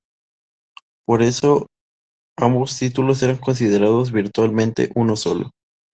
Por eso ambos títulos eran considerados virtualmente uno solo.